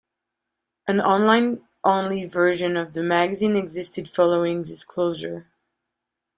An online only version of the magazine existed following this closure.